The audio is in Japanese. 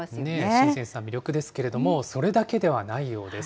新鮮さ、魅力ですけれども、それだけではないようです。